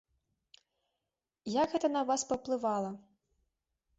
Як гэта на вас паўплывала?